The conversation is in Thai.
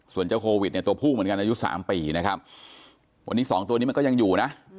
ส่วนเจ้าโควิดเนี่ยตัวผู้เหมือนกันอายุ๓ปีนะครับวันนี้สองตัวนี้มันก็ยังอยู่นะ